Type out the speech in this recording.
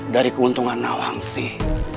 dari keuntungan nawang sih